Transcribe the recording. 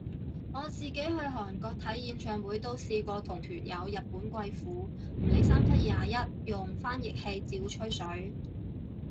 我自己去韓國睇演唱會都試過同團有日本貴婦，唔理三七廿一用翻譯器照吹水